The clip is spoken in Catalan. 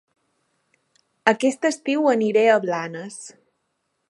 Aquest estiu aniré a Blanes